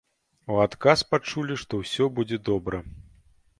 У адказ пачулі, што ўсё будзе добра.